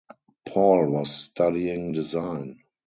Paul was studying design.